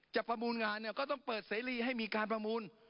ประมูลงานเนี่ยก็ต้องเปิดเสรีให้มีการประมูล